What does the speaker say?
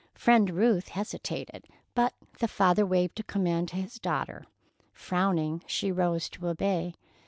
Friend Ruth hesitated, but the father waved a command to his daughter. Frowning, she arose to obey.